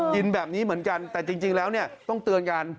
กินแบบนี้เหมือนกันแต่จริงแล้วเนี่ยต้องเตือนกัน